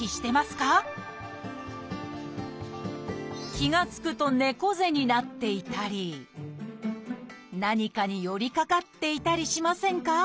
気が付くと猫背になっていたり何かに寄りかかっていたりしませんか？